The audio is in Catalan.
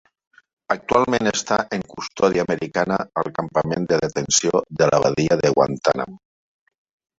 Actualment està en custòdia americana al campament de detenció de la badia de Guantanamo.